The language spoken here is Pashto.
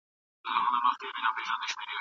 استاد زیار د موضوع مخینه مهمه بولي.